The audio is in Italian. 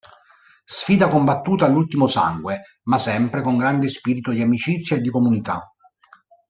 Sfida combattuta all'ultimo sangue, ma sempre con grande spirito di amicizia e di comunità.